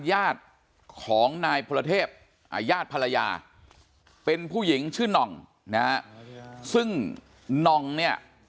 ญาติของนายพลเทพอญาติภรรยาเป็นผู้หญิงชื่อน่องนะฮะซึ่งน่องเนี่ย